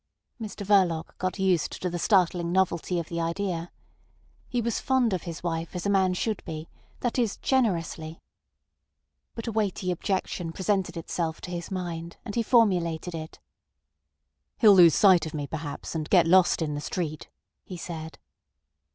Mr Verloc got used to the startling novelty of the idea. He was fond of his wife as a man should be—that is, generously. But a weighty objection presented itself to his mind, and he formulated it. "He'll lose sight of me perhaps, and get lost in the street," he said.